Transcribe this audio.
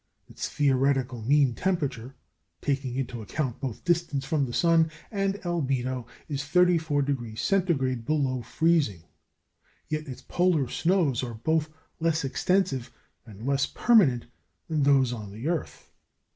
Its theoretical mean temperature, taking into account both distance from the sun and albedo, is 34° C. below freezing. Yet its polar snows are both less extensive and less permanent than those on the earth.